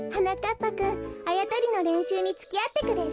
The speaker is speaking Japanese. ぱくんあやとりのれんしゅうにつきあってくれる？